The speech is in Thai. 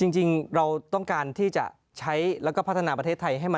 จริงเราต้องการที่จะใช้แล้วก็พัฒนาประเทศไทยให้มัน